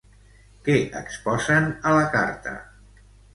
Què exposen a la carta?